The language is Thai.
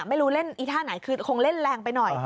ไม่รู้เล่นอีท่าไหนคือคงเล่นแรงไปหน่อย